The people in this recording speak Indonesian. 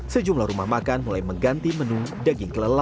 sejumlah rumah makan mulai mengganti menu daging kelela